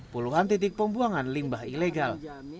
puluhan titik pembuangan limbah ilegal